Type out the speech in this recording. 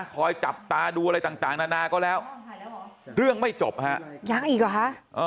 คอยจับตาดูอะไรต่างนานาก็แล้วเรื่องไม่จบฮะยังอีกหรอคะ